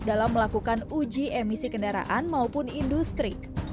dalam melakukan uji emisi kendaraan maupun industri